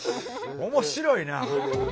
面白いな。